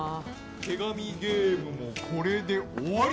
手紙ゲームもこれで終わり！